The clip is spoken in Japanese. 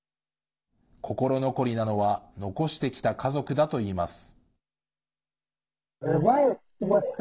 心残りなのは残してきた家族だといいます。